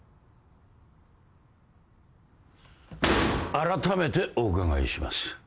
あらためてお伺いします。